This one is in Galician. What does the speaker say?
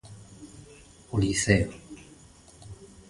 O Liceo.